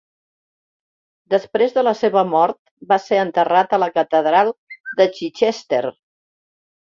Després de la seva mort, va ser enterrat a la catedral de Chichester.